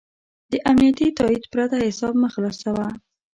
د امنیتي تایید پرته حساب مه خلاصوه.